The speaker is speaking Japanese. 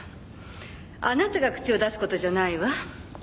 あなたが口を出す事じゃないわ。